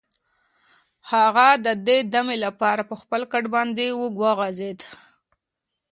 هغه د دمې لپاره په خپل کټ باندې اوږد وغځېد.